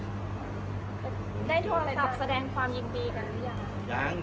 ได้โทรศัพท์แสดงความยิงภีร์อีกหรือยัง